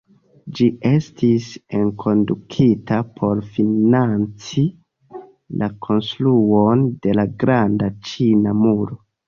Ĝi estis enkondukita por financi la konstruon de la Granda Ĉina Muro.